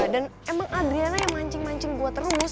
dan emang adriana yang mancing mancing gua terus